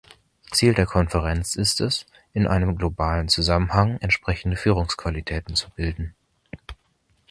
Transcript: Ziel der Konferenz ist es, in einem globalen Zusammenhang entsprechende Führungsqualitäten zu bilden.